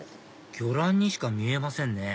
魚卵にしか見えませんね